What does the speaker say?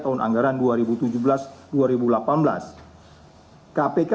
kementerian pekerjaan umum dan perumahan rakyat tahun anggaran dua ribu tujuh belas dua ribu delapan belas